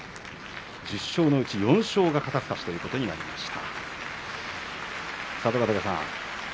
１０勝のうち４勝が肩すかしということになりました。